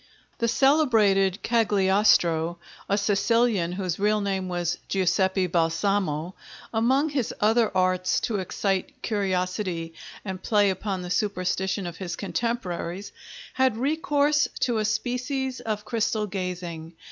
The celebrated Cagliostro, a Sicilian whose real name was Giuseppe Balsamo, among his other arts to excite curiosity and play upon the superstition of his contemporaries, had recourse to a species of crystal gazing.